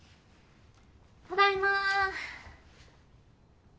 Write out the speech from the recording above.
ただいま。